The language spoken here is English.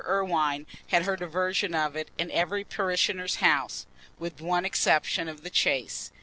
Irwine had heard a version of it in every parishioner's house, with the one exception of the Chase.